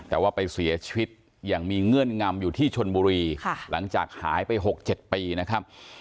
แต่ว่าไปเสียชีวิตอย่างมีเงื่อนงำอยู่ที่ชนบุรีหลังจากหายไป๖๗ปีนะครับ